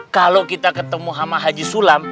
kalau kita ketemu sama haji sulam